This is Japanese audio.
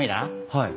はい。